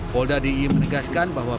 polda di menegaskan bahwa